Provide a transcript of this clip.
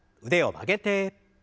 腕を曲げて。